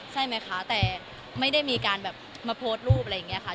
ใช่ไหมคะแต่ไม่ได้มีการแบบมาโพสต์รูปอะไรอย่างนี้ค่ะ